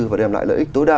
và đem lại lợi ích tối đa